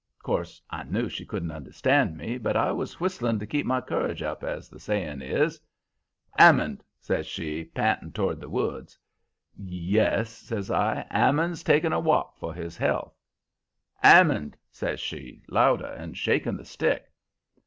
"'Course I knew she couldn't understand me, but I was whistling to keep my courage up, as the saying is. "''Ammond!' says she, p'inting toward the woods. "'Yes,' says I, 'Hammond's taking a walk for his health.' "''Ammond!' says she, louder, and shaking the stick.